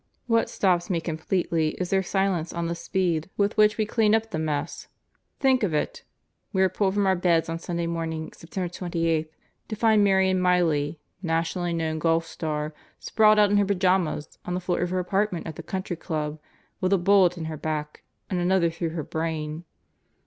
"What stops me completely is their silence on the speed with 1 2 God Goes to Murderers Row which we cleaned up the mess. Think of it: We are pulled from our beds on Sunday morning, September 28, to find Marion Miley nationally known golf star, sprawled out in her pajamas, on the floor of her apartment at the Country Club with a bullet in her back and another through her brain.